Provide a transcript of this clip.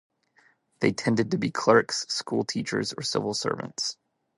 They tended to be clerks, school teachers or civil servants.